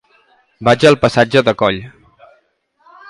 Vaig al passatge de Coll.